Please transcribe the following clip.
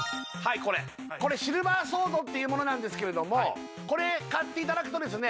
これこれシルバーソードっていうものなんですけれどもこれ買っていただくとですね